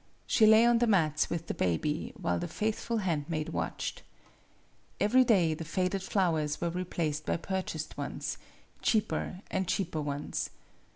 She lay on the mats with the baby, while the faithful 74 MADAME BUTTERFLY handmaid watched. Every day the faded flowers were replaced by purchased ones cheaper and cheaper ones.